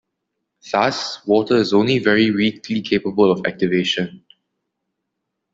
Thus water is only very weakly capable of activation.